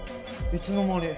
いつの間に。